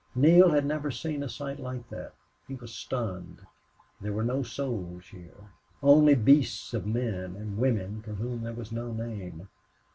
Neale had never seen a sight like that. He was stunned. There were no souls here. Only beasts of men, and women for whom there was no name.